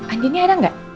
andiennya ada gak